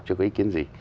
chưa có ý kiến gì